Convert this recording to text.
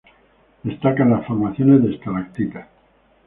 Destacan las formaciones de estalactitas.